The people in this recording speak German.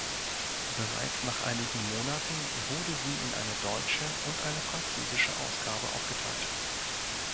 Bereits nach einigen Monaten wurde sie in eine deutsche und eine französische Ausgabe aufgeteilt.